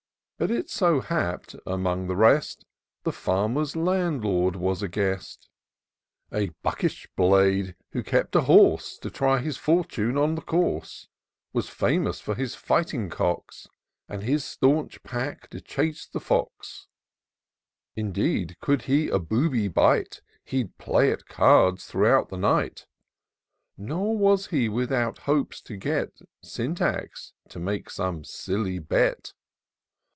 But it so happ'd— among the rest — The Farmer's Landlord was a guest ; A buckish blade, who kept a horse, To try his fortune on the course ; IN SEARCH OF THE PICTURESQUE. 187 Was famous for his fighting cocks, And his staunch pack to chase the fox : Indeed, could he a booby bite, He'd play at cards throughout the night; Nor was he without hopes to get Syntax to make some silly bet.